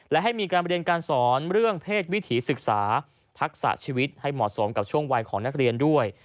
และให้มีการเรียนการสอนเรื่องเพศวิถีศึกษาทักษะชีวิตให้เหมาะสมกับช่วงวัยของนักเรียนด้วย